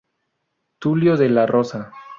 Tulio de la Rosa.